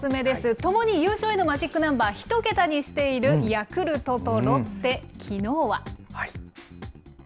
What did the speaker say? ともに優勝へのマジックナンバー１桁にしているヤクルトとロッテ、きのうは。